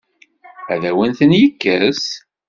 Ad awen-ten-yekkes?